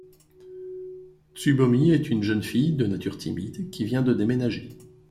Tsubomi est une jeune fille, de nature timide, qui vient de déménager.